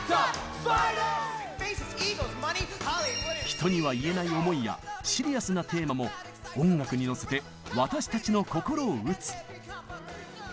人には言えない思いやシリアスなテーマも音楽にのせて私たちの心を打つ。